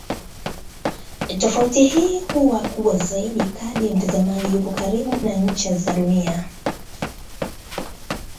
Tofauti hii huwa kubwa zaidi kadri mtazamaji yupo karibu na ncha za Dunia.